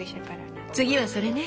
次はそれね。